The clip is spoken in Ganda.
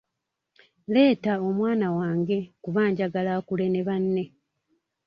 Leeta omwana wange kuba njagala akule ne banne.